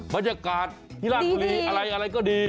บรรยากาศที่ราชบุรีอะไรอะไรก็ดี